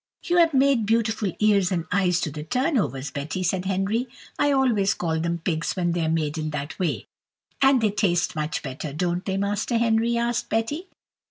"You have made beautiful ears and eyes to the turnovers, Betty," said Henry; "I always call them pigs when they are made in that way." "And they taste much better, don't they, Master Henry?" asked Betty.